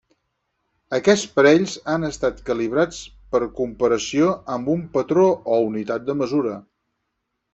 Aquests aparells han estat calibrats per comparació amb un patró o unitat de mesura.